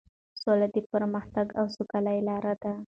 سوله د پرمختګ او سوکالۍ لاره ده.